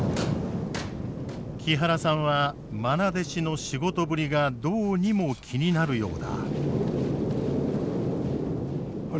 木原さんはまな弟子の仕事ぶりがどうにも気になるようだ。